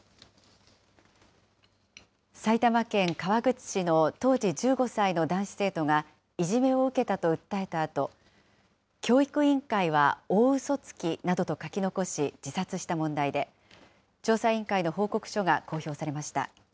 埼玉県川口市の当時１５歳の男子生徒がいじめを受けたと訴えたあと、教育委員会は大ウソつきなどと書き残し、自殺した問題で、調査委員会の報告書が公表されました。